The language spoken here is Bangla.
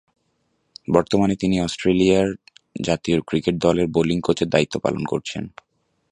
বর্তমানে তিনি অস্ট্রেলিয়ার জাতীয় ক্রিকেট দলের বোলিং কোচের দায়িত্ব পালন করছেন।